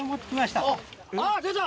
あぁ出た！